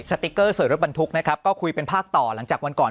สติ๊กเกอร์สวยรถบรรทุกนะครับก็คุยเป็นภาคต่อหลังจากวันก่อน